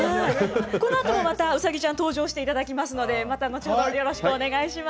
このあともうさぎちゃん登場していただくのでよろしくお願いします。